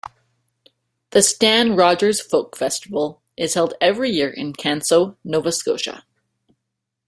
The Stan Rogers Folk Festival is held every year in Canso, Nova Scotia.